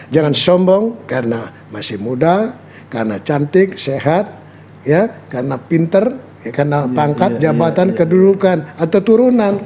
jangan sombong karena masih muda karena cantik sehat karena pinter karena pangkat jabatan kedudukan atau turunan